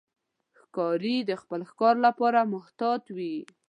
ښکاري د خپل ښکار لپاره محتاط وي.